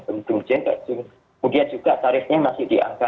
kemudian juga tarifnya masih di angka